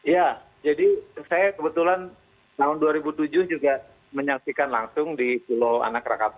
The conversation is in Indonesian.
ya jadi saya kebetulan tahun dua ribu tujuh juga menyaksikan langsung di pulau anak rakatau